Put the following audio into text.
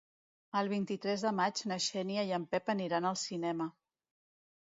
El vint-i-tres de maig na Xènia i en Pep aniran al cinema.